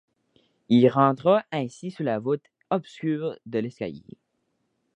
Il rentra ainsi sous la voûte obscure de l’escalier.